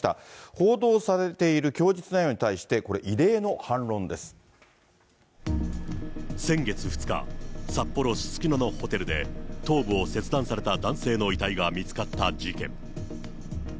報道されている供述内容に対して、先月２日、札幌・すすきののホテルで頭部を切断された男性の遺体が見つかった事件。